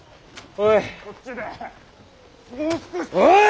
おい！